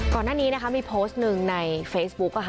ก่อนหน้านี้นะคะมีโพสต์หนึ่งในเฟซบุ๊ก